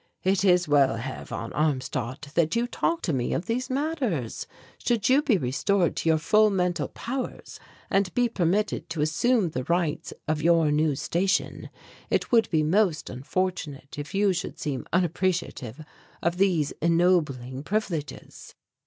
"It is well, Herr von Armstadt, that you talked to me of these matters. Should you be restored to your full mental powers and be permitted to assume the rights of your new station, it would be most unfortunate if you should seem unappreciative of these ennobling privileges."